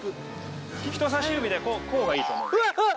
人さし指でこうがいいと思う。